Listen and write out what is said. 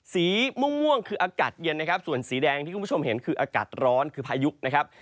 สีม่วงคืออากาศเย็นนะครับส่วนสีแดงที่คุณผู้ชมเห็นคืออากาศร้อนคือพายุนะครับ